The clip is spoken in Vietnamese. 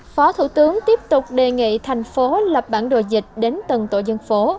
phó thủ tướng tiếp tục đề nghị thành phố lập bản đồ dịch đến từng tổ dân phố